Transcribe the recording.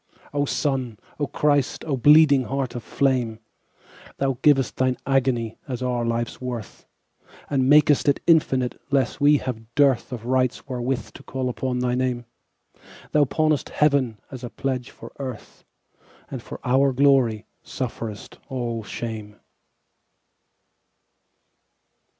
O Sun, O Christ, O bleeding Heart of flame! Thou giv'st Thine agony as our life's worth, And mak'st it infinite, lest we have dearthOf rights wherewith to call upon thy Name; Thou pawnest Heaven as a pledge for Earth, And for our glory sufferest all shame.